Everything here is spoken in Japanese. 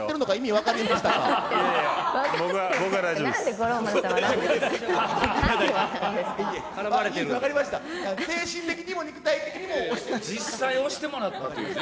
分かりました、精神的にも肉実際押してもらったというね。